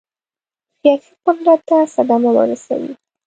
سیاسي قدرت ته صدمه ورسوي.